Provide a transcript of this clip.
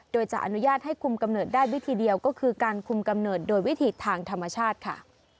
โดยจะอนุญาตให้คุมกำเนิดได้วิธีเดียวก็คือการคุมกำเนิดโดยวิธีทางธรรมชาติค่ะ